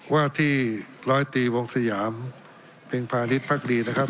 ว่าที่ร้อยตีวงสยามเพ็งพาณิชยภักดีนะครับ